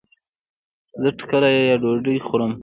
زه ټکله يا ډوډي خورم